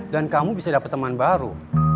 dan kamu bisa dapet teman baru